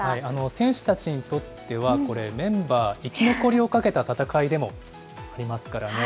選手たちにとっては、これ、メンバー、生き残りをかけた戦いでもありますからね。